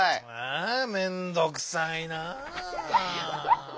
え面倒くさいなぁ。